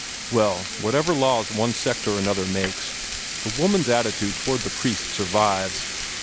"Well, whatever laws one sect or another makes, the woman's attitude toward the priest survives.